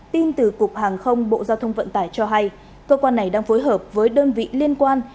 tin từ cục hàng không bộ giao thông vận tải cho hay cơ quan này đang phối hợp với đơn vị liên quan